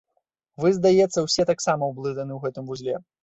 Вы, здаецца, усе таксама ўблытаны ў гэтым вузле.